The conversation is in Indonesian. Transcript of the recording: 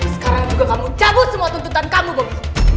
sekarang juga kamu cabut semua tuntutan kamu dong